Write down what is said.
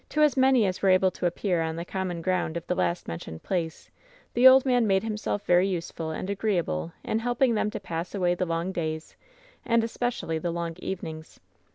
To as many as were able to appear on the common ground of the last mentioned place the old man made himself very useful and agreeable in helping them to pass away the long days, and especially the long eve nings.